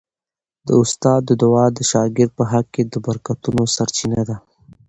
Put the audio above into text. د استاد دعا د شاګرد په حق کي د برکتونو سرچینه ده.